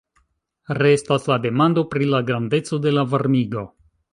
Restas la demando pri la grandeco de la varmigo.